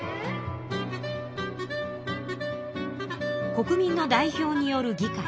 国民の代表による議会